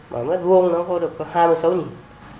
mà mất vuông nó không được có hai mươi sáu nghìn